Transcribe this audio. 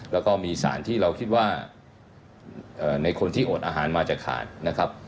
แล้วก็มีสารที่เราคิดว่าในคนที่โอดอาหารมาจะขาดนะครับ